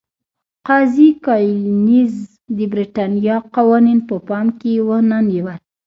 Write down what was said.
قاضي کالینز د برېټانیا قوانین په پام کې ونه نیول.